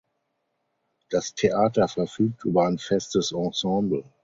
Das Theater verfügt über ein festes Ensemble.